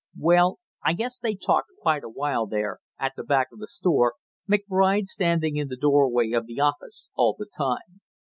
"Well, I guess they talked quite a while there at the back of the store, McBride standing in the doorway of the office all the time.